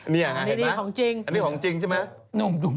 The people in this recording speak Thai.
นี่อย่างไรเห็นมั้ยสินะอันนี้ของจริงใช่มั้ยนี่ดีของจริง